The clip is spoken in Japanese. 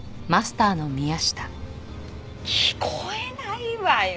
聞こえないわよ。